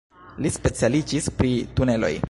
Li specialiĝis pri tuneloj.